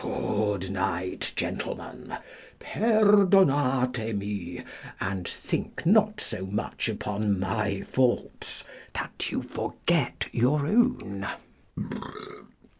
Good night, gentlemen. Perdonate mi, and think not so much upon my faults that you forget your own.